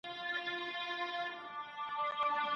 په یوه شان وه د دواړو معاشونه